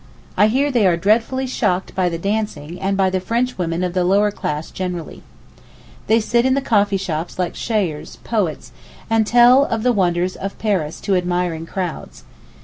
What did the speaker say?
I hear they are dreadfully shocked by the dancing, and by the French women of the lower class generally. They sit in the coffee shops like shaers (poets), and tell of the wonders of Paris to admiring crowds.